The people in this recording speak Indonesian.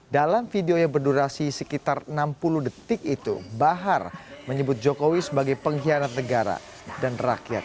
dalam video yang berdurasi sekitar enam puluh detik itu bahar menyebut jokowi sebagai pengkhianat negara dan rakyat